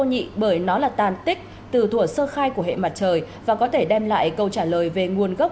nhị bởi nó là tàn tích từ thủa sơ khai của hệ mặt trời và có thể đem lại câu trả lời về nguồn gốc